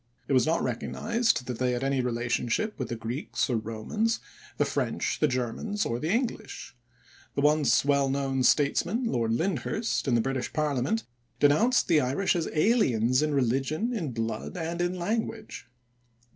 It was not recognized that they had any relationship with the Greeks or Romans, the French, the Germans, or the English. The once well known statesman, Lord Lyndhurst, in the British parliament denounced the Irish as aliens in religion, in blood, and in language.